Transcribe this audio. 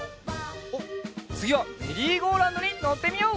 つぎはメリーゴーラウンドにのってみよう！